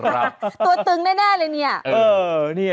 ตัวตึงแน่เลยเนี่ย